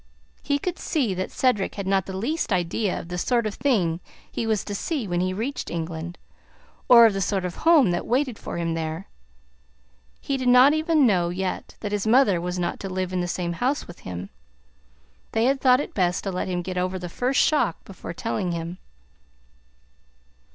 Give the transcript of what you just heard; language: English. He could see that Cedric had not the least idea of the sort of thing he was to see when he reached England, or of the sort of home that waited for him there. He did not even know yet that his mother was not to live in the same house with him. They had thought it best to let him get over the first shock before telling him.